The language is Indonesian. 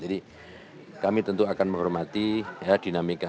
jadi kami tentu akan menghormati dinamika